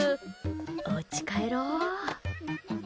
おうち帰ろう。